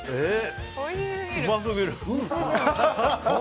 うますぎる。